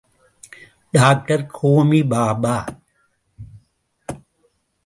Doctor Homi Baba.